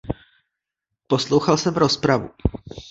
Poslouchal jsem rozpravu.